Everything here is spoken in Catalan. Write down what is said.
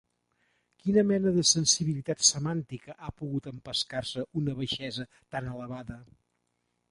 Quina mena de sensibilitat semàntica ha pogut empescar-se una baixesa tan elevada?